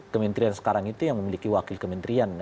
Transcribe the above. kementerian sekarang itu yang memiliki wakil kementerian